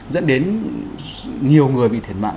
dẫn đến nhiều người bị thiệt mạng